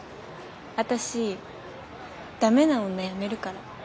私駄目な女やめるから。